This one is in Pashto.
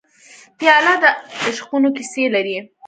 پیاله د عشقونو کیسې لري.